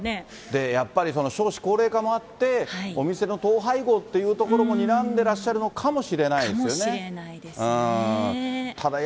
で、やっぱり少子高齢化もあって、お店の統廃合っていうところもにらんでらっしゃるのかもしれないかもしれないですね。